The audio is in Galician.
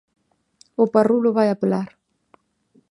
O Parrulo vai apelar.